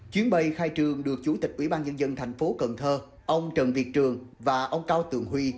chuyến bay khai trường được chủ tịch ủy ban nhân dân thành phố cần thơ ông trần việt trường và ông cao tường huy